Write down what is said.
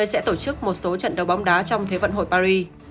sẽ tổ chức một số trận đấu bóng đá trong thế vận hội paris